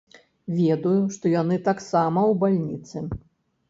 Ведаю, што яны таксама ў бальніцы.